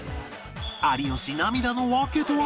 有吉涙の訳とは？